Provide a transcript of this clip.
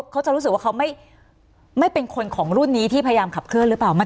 เขาจะรู้สึกว่าเขาไม่เป็นคนของรุ่นนี้ที่พยายามขับเคลื่อนหรือเปล่า